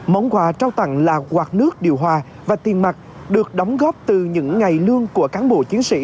món quà trao tặng là quạt nước điều hòa và tiền mặt được đóng góp từ những ngày lương của cán bộ chiến sĩ